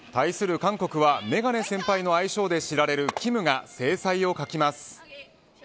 韓国はメガネ先輩の愛称で知られるキムが精彩を欠きます。